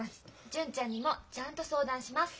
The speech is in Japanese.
純ちゃんにもちゃんと相談します。